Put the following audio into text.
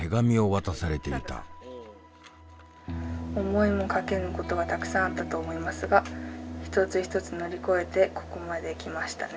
「思いもかけぬことがたくさんあったと思いますが１つ１つ乗り越えてここまで来ましたね。